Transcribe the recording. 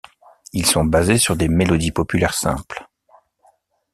Ils sont basés sur des mélodies populaires simples.